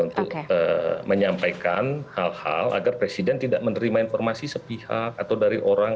untuk menyampaikan hal hal agar presiden tidak menerima informasi sepihak atau dari orang